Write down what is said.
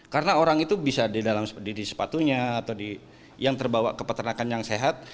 karena orang itu bisa di dalam seperti di sepatunya atau di yang terbawa ke peternakan yang sehat